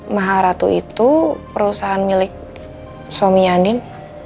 maharatu itu perusahaan milik suami andin